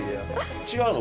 違うの？